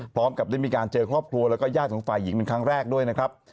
พร้อมกับได้มีการเจอครอบครัวแล้วก็ญาติของฝ่ายหญิงเป็นครั้งแรกด้วยนะครับ